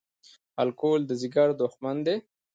الکول د ځیګر دښمن دی